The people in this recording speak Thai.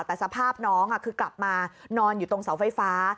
แต่สภาพน้องคือกลับมานอนอยู่ตรงเสาไฟฟ้า